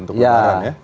untuk lebaran ya